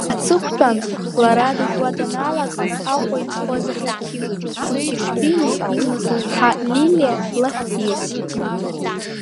Аҵыхәтәан лара дажәуа даналага, Аҟәа инхоз аҳақьым Хуцишвили имаз лыԥҳа Лиалиа лахь диасит.